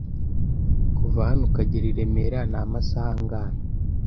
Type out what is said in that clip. kuva hano ukagera I remera ni amasaha angahe?